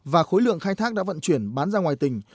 và khối lượng khai thác đã vận chuyển bán ra ngoài tỉnh